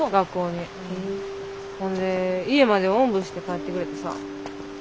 ほんで家までおんぶして帰ってくれてさ。